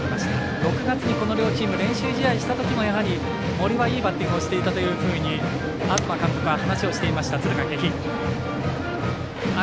６月に、この両チーム練習試合をしたときも森はいいバッティングをしていたというふうに東監督は話していました敦賀気比。